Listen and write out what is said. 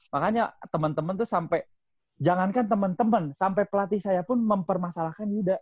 makanya temen temen tuh sampe jangankan temen temen sampe pelatih saya pun mempermasalahkan yuda